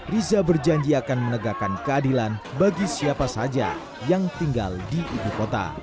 riza berjanji akan menegakkan keadilan bagi siapa saja yang tinggal di ibu kota